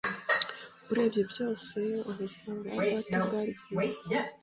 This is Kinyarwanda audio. Urebye byose, ubuzima bwa data bwari bwiza.